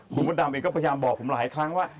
คุณมดดำเองก็พยายามบอกผมหลายครั้งว่า